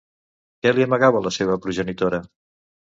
Què li amagava la seva progenitora?